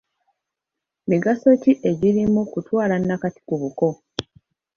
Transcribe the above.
Migaso ki egirimu kutwala nnakati ku buko?